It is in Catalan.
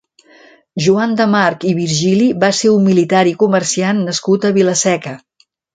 Joan de March i Virgili va ser un militar i comerciant nascut a Vila-seca.